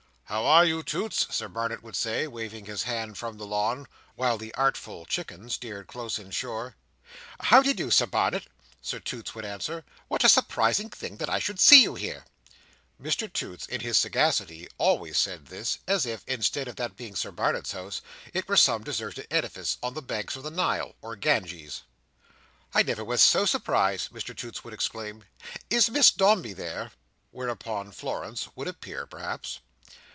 "How are you, Toots?" Sir Barnet would say, waving his hand from the lawn, while the artful Chicken steered close in shore. "How de do, Sir Barnet?" Mr Toots would answer, "What a surprising thing that I should see you here!" Mr Toots, in his sagacity, always said this, as if, instead of that being Sir Barnet's house, it were some deserted edifice on the banks of the Nile, or Ganges. "I never was so surprised!" Mr Toots would exclaim.—"Is Miss Dombey there?" Whereupon Florence would appear, perhaps.